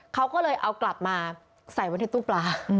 เขาก็เลยเอากลับมาใส่ไว้ในตู้ปลา